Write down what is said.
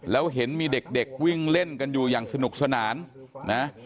แล้วเห็นมีเด็กวิ่งเล่นกันอยู่อย่างสนุกสนานนะ